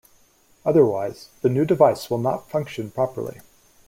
Otherwise, the new device will not function properly.